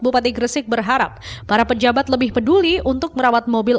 bupati gresik berharap para pejabat lebih peduli untuk merawat mobil